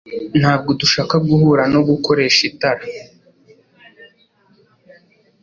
Ntabwo dushaka guhura nogukoresha itara.